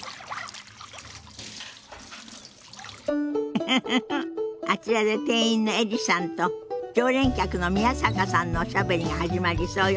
ウフフフあちらで店員のエリさんと常連客の宮坂さんのおしゃべりが始まりそうよ。